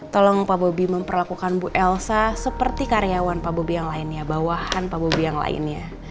tolong pak bobi memperlakukan bu elsa seperti karyawan pak bobi yang lainnya bawahan pak bobi yang lainnya